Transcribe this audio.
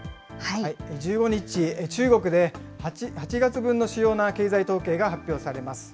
１５日、中国で８月分の主要な経済統計が発表されます。